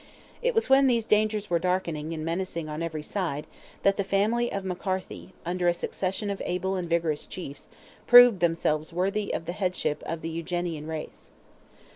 It was when these dangers were darkening and menacing on every side that the family of McCarthy, under a succession of able and vigorous chiefs, proved themselves worthy of the headship of the Eugenian race.